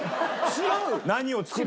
違う。